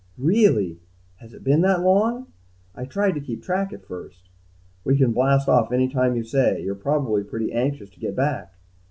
"Really has it been that long? I tried to keep track at first...." "We can blast off anytime you say. You're probably pretty anxious to get back."